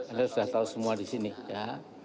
anda sudah tahu semua di sini ya